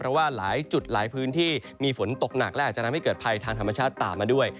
เพราะว่าหลายจุดหลายพื้นที่มีฝนตกหนักและอาจจะทำให้เกิดภัยทางธรรมชาติตามมาด้วย